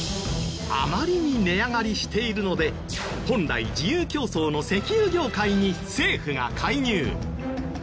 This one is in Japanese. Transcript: あまりに値上がりしているので本来自由競争の石油業界に政府が介入。